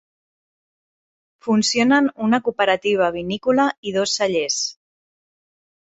Funcionen una cooperativa vinícola i dos cellers.